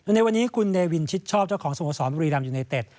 ในวันนี้คุณเนวินชิดชอบเจ้าของสโมสรบุรีรัมยูไนเต็ด